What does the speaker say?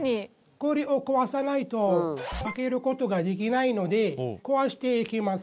これを壊さないと開けることができないので壊していきます。